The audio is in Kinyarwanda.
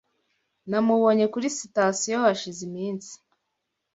Namubonye kuri sitasiyo hashize iminsi.